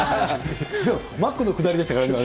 マックの下りでしたからね。